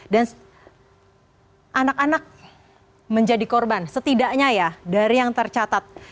dan anak anak menjadi korban setidaknya ya dari yang tercatat